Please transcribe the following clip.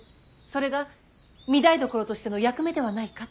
それが御台所としての役目ではないかって。